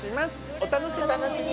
お楽しみに！